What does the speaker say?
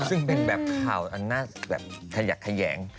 ซึ่งเป็นแบบข่าวอันน่าแบบขยักแขยง